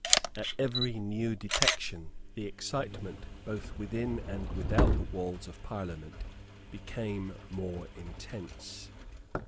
At every new detection, the excitement, both within and without the walls of Parliament, became more intense.